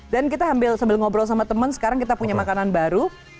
dan kita sambil ngobrol sama temen sekarang kita punya makanan baru